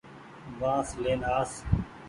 بآس لين آس۔